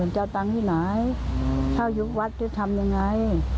จะเอาตังค์ที่ไหนถ้ายุควัดจะทำยังไง